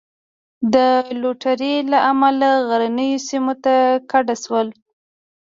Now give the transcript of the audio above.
د لوټرۍ له امله غرنیو سیمو ته کډه شول.